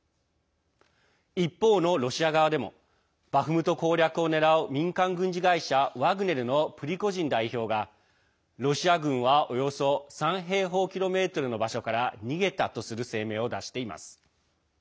一方のロシア側でもバフムト攻略を狙う民間軍事会社ワグネルのプリゴジン代表が、ロシア軍はおよそ３平方キロメートルの場所から逃げたとする声明を出しています。